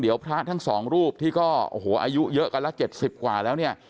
เดี๋ยวพระทั้งสองรูปที่ก็โอ้โหอายุเยอะกันละ๗๐กว่าแล้วเนี่ย